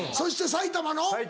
埼玉の。